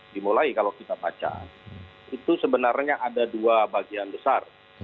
dimulai kalau kita baca itu sebenarnya ada dua bagian besar